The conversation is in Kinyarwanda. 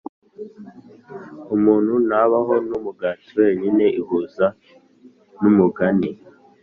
umuntu ntabaho numugati wenyine ihuza numugani